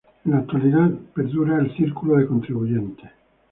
En la actualidad perdura el Círculo de Contribuyentes.